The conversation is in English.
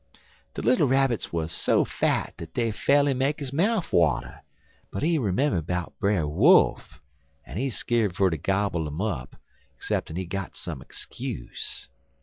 De little Rabbits wuz so fat dat dey fa'rly make his mouf water, but he 'member 'bout Brer Wolf, en he skeer'd fer ter gobble urn up ceppin' he got some skuse.